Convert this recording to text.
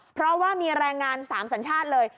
เพราะว่ามีแรงงาน๓สัญชาติเลย